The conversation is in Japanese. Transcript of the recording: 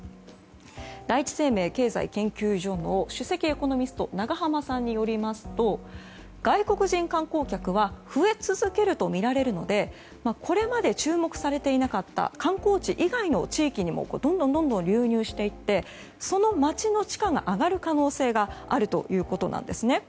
第一生命経済研究所の首席エコノミスト永濱さんによりますと外国人観光客は増え続けるとみられるのでこれまで注目されていなかった観光地以外の地域にもどんどん流入していってその街の地価が上がる可能性があるということなんですね。